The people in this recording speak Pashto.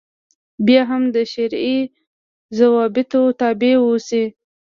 بیا هم د شرعي ضوابطو تابع اوسي.